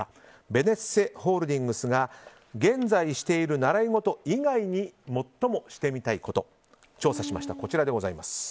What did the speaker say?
ベネッセホールディングスが現在している習い事以外に最もしてみたいこと調査しました。